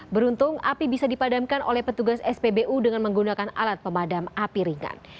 beruntung api bisa dipadamkan oleh petugas spbu dengan menggunakan alat pemadam api ringan